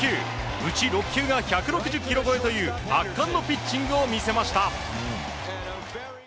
うち６級が１６０キロ超えと圧巻のピッチングを見せました。